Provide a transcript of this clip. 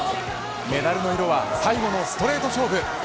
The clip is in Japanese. メダルの色は最後のストレート勝負。